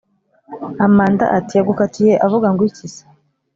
amanda ati"yagukatiye avuga ngwiki se?"